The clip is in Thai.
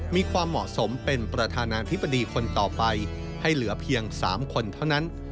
มีความเหมาะสมเป็นประธานาธิบดีคนต่อไปให้เหลือเพียง๓คนเท่านั้น